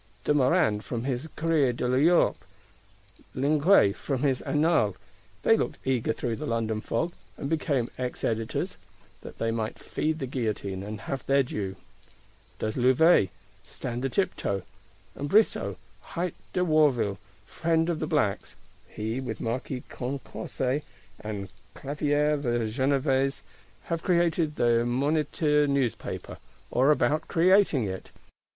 De Morande from his Courrier de l'Europe; Linguet from his Annales, they looked eager through the London fog, and became Ex Editors,—that they might feed the guillotine, and have their due. Does Louvet (of Faublas) stand a tiptoe? And Brissot, hight De Warville, friend of the Blacks? He, with Marquis Condorcet, and Clavière the Genevese "have created the Moniteur Newspaper," or are about creating it.